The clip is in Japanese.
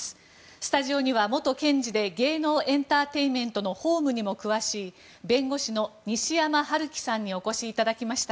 スタジオには元検事で芸能エンターテインメントの法務にも詳しい弁護士の西山晴基さんにお越しいただきました。